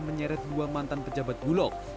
menyeret dua mantan pejabat bulog